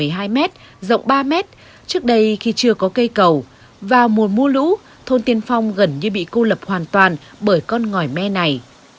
cầu có chiều dài sáu mươi bốn một mươi hai mét rộng ba mét trước đây khi chưa có cây cầu vào mùa mua lũ thôn tiên phong gần như bị cô lập hoàn toàn bởi con ngòi me này